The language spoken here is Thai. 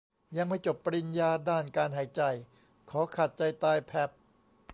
ยังไม่จบปริญญาด้านการหายใจ ขอขาดใจตายแพพ